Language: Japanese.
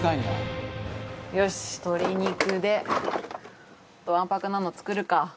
よし鶏肉でわんぱくなの作るか。